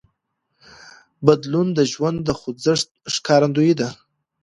بدلون د ژوند د خوځښت ښکارندوی دی.